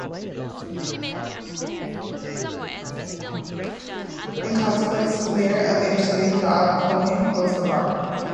In consequence Mayor of Amsterdam Job Cohen closed the bar.